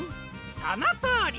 そのとおり！